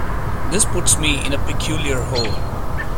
This puts me in a peculiar hole.